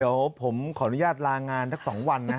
เดี๋ยวผมขออนุญาตลางานสัก๒วันนะ